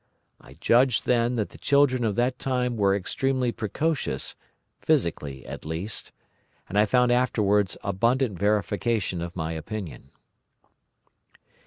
I judged then that the children of that time were extremely precocious, physically at least, and I found afterwards abundant verification of my opinion.